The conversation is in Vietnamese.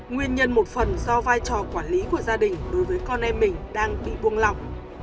nguyên nhân một phần do vai trò quản lý của gia đình đối với con em mình đang bị buông lỏng